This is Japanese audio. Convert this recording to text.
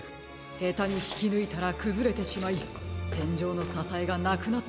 へたにひきぬいたらくずれてしまいてんじょうのささえがなくなってしまうでしょう。